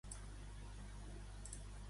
Com es diu el president autonòmic?